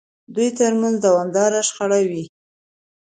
دوی ترمنځ دوامداره شخړې وې.